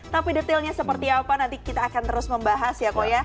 tapi detailnya seperti apa nanti kita akan terus membahas ya koya